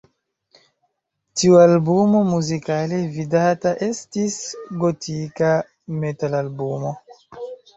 Tiu albumo muzikale vidata estis gotika metalalbumo.